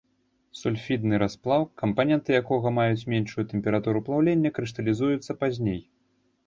Сульфідны расплаў, кампаненты якога маюць меншую тэмпературу плаўлення, крышталізуюцца пазней.